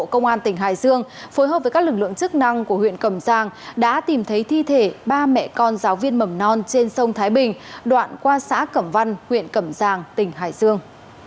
công an tỉnh hải dương phối hợp với các lực lượng chức năng của huyện cẩm giang đã tìm thấy thi thể ba mẹ con giáo viên mầm non trên sông thái bình đoạn qua xã cẩm văn huyện cẩm giang tỉnh hải dương